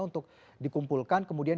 untuk dikumpulkan kemudian